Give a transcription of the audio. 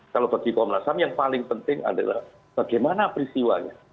kalau bagi komnas ham yang paling penting adalah bagaimana peristiwanya